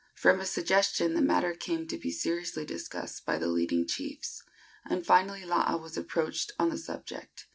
From a suggestion the matter came to be seriously discussed by the leading chiefs, and finally Laa was approached on the subject.